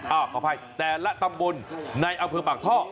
อ้าวก็ไปแต่ละตำบลในอำเภอปากท่อ